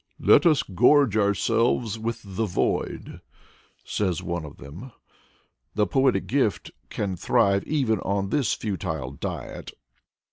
" Let us gorge ourselves with the void," says one of them. The poetic gift can thrive even on this futile diet.